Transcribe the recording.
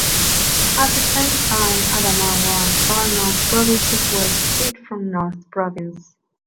At the same time, Adamawa and Far North Provinces were split from North Province.